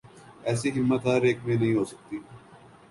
ایسی ہمت ہر ایک میں نہیں ہو سکتی۔